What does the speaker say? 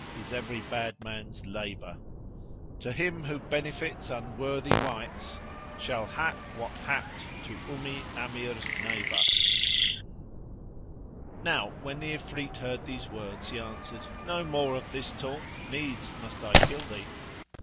is every bad man's labour: To him who benefits unworthy wights * Shall hap what inapt to Ummi Amir's neighbor.[FN#73]" Now when the Ifrit heard these words he answered, "No more of this talk, needs must I kill thee."